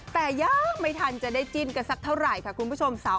แต่ยังไม่ทันจะได้จิ้นกันสักเท่าไหร่ค่ะคุณผู้ชม